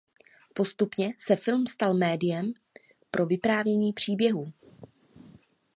Postupně se film stal médiem pro vyprávění příběhů.